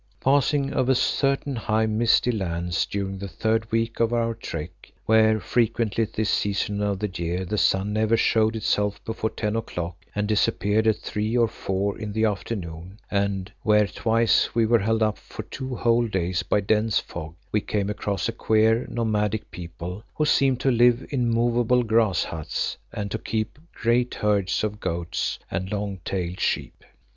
Passing over certain high, misty lands during the third week of our trek, where frequently at this season of the year the sun never showed itself before ten o'clock and disappeared at three or four in the afternoon, and where twice we were held up for two whole days by dense fog, we came across a queer nomadic people who seemed to live in movable grass huts and to keep great herds of goats and long tailed sheep.